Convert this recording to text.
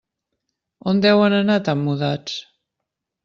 On deuen anar tan mudats.